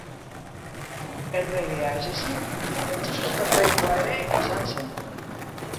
Erregea ez ezik frantziskotar laikoa ere izan zen.